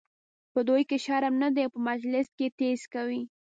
په دوی کې شرم نه دی او په مجلس کې ټیز کوي.